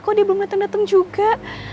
kok dia belum dateng dateng juga